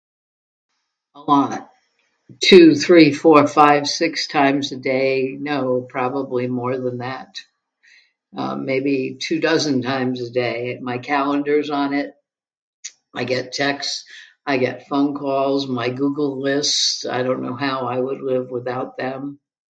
A lot - two, three, four, five, six times a day. No, probably more than that. Uh, maybe two dozen times a day. My calendar's on it, I get texts, I get phone calls, my Google lists - I don't know how I would live without them